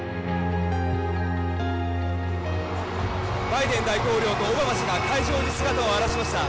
バイデン大統領とオバマ氏が会場に姿を現しました。